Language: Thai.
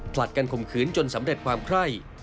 ผลัดกันข่มขืนจนสำเร็จความไคร่